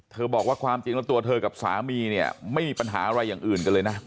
บอกว่าความจริงแล้วตัวเธอกับสามีเนี่ยไม่มีปัญหาอะไรอย่างอื่นกันเลยนะ